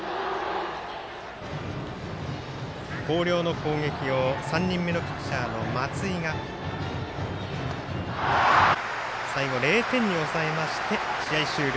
広陵の攻撃を３人目のピッチャーの松井が最後、０点に抑えまして試合終了。